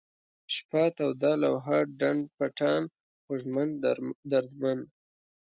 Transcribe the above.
شپه ، توده ، لوحه ، ډنډ پټان ، خوږمن ، دردمن